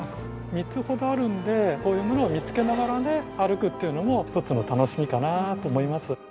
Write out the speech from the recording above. ３つほどあるんでこういうものを見つけながら歩くっていうのも一つの楽しみかなと思います。